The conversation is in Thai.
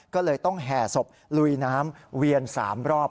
ก็เลยต้องแห่ศพลุยน้ำเวียน๓รอบ